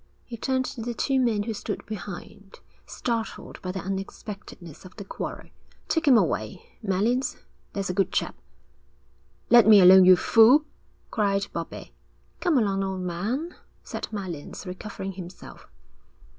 He turned to the two men who stood behind, startled by the unexpectedness of the quarrel. 'Take him away, Mallins, there's a good chap.' 'Let me alone, you fool!' cried Bobbie. 'Come along, old man,' said Mallins, recovering himself.